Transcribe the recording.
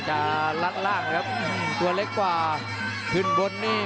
ยอห์ระดับล๊อกใน